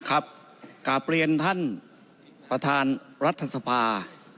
ครับกราบเปลี่ยนท่านประธานรัฐศภา